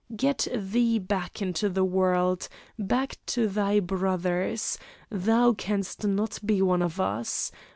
"Get thee back into the world, back to thy brothers; thou canst not be one of us.